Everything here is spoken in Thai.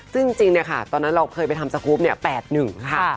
ซึ่งจริงตอนนั้นเราเคยไปทำสกรูป๘๑ค่ะ